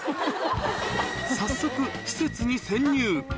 早速、施設に潜入。